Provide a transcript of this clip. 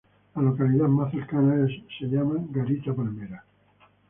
La localidad más cercana es llamada "Garita Palmera".